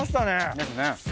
ですね。